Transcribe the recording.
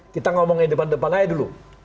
kita ngomongin depan depan aja dulu